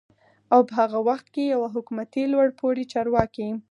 او په هغه وخت کې يوه حکومتي لوړپوړي چارواکي